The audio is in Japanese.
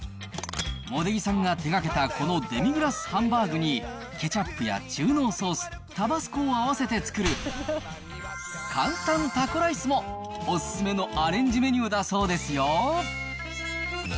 茂出木さんが手がけたこのデミグラスハンバーグに、ケチャップや中濃ソース、タバスコを合わせて作る、簡単タコライスも、お勧めのアレンジメニューだそうですよ。